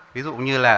ví dụ như là